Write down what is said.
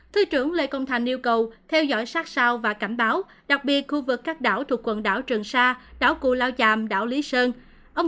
thứ trưởng lê công thành yêu cầu theo dõi sát sao và cảnh báo đặc biệt khu vực các đảo thuộc quần đảo trường sa đảo cù lao chàm đảo lý sơn